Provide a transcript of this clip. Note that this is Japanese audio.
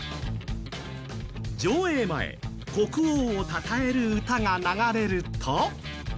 上映前、国王をたたえる歌が流れると。